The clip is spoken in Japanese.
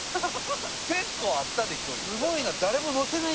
結構あったで距離。